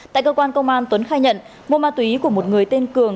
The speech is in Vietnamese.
tại cơ quan công an tuấn khai nhận mua ma túy của một người tên cường